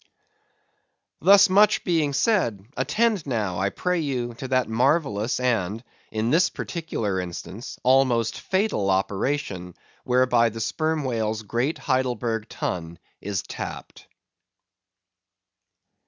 Thus much being said, attend now, I pray you, to that marvellous and—in this particular instance—almost fatal operation whereby the Sperm Whale's great Heidelburgh Tun is tapped.